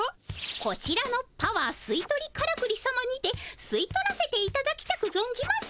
こちらのパワーすいとりからくりさまにてすいとらせていただきたくぞんじます。